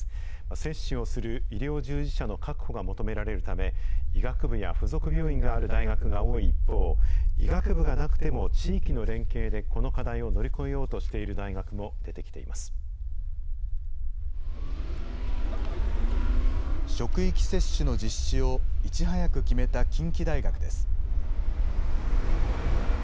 接種をする医療従事者の確保が求められるため、医学部や付属病院がある大学が多い一方、医学部がなくても地域の連携で、この課題を乗り越えようとしてい職域接種の実施をいち早く決めた近畿大学です。